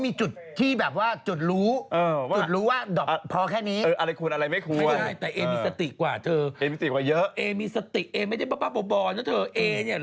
นี่นี่๘โมงกว่าลงมาเต้นอย่างนี้กันแล้ว